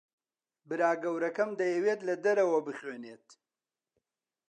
برا گەورەکەم دەیەوێت لە دەرەوە بخوێنێت.